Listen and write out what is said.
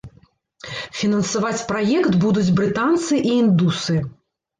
Фінансаваць праект будуць брытанцы і індусы.